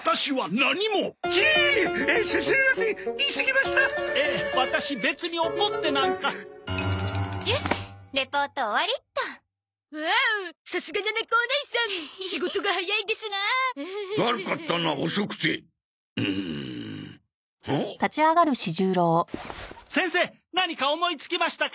何か思いつきましたか？